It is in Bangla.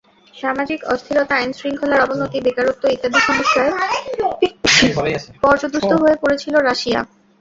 সামাজিক অস্থিরতা, আইনশৃঙ্খলার অবনতি, বেকারত্ব ইত্যাদি সমস্যায় পর্যুদস্ত হয়ে পড়েছিল রাশিয়া।